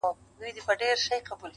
له تودې سینې را وځي نور ساړه وي,